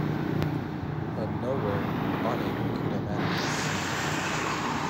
But nowhere on it could a man be seen.